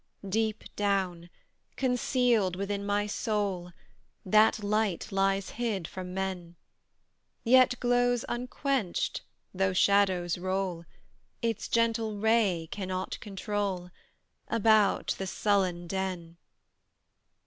Deep down, concealed within my soul, That light lies hid from men; Yet glows unquenched though shadows roll, Its gentle ray cannot control About the sullen den.